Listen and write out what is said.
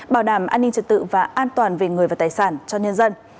bảo đảm an ninh trật tự và an toàn về người và tài sản cho nhân dân